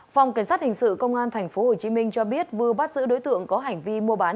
phòng cảnh sát hình sự công an tp hcm cho biết vừa bắt giữ đối tượng có hành vi mua bán